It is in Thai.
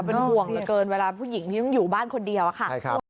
เป็นห่วงเหลือเกินเวลาผู้หญิงที่ต้องอยู่บ้านคนเดียวอะค่ะ